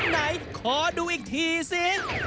ไหนขอดูอีกทีซิ